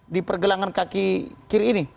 di pergelangan kaki kiri ini